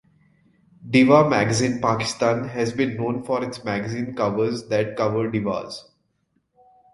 Diva Magazine Pakistan has been known for its magazine covers that cover divas.